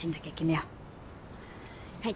はい。